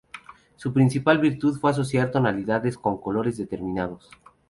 Su principal virtud fue asociar tonalidades con colores determinados.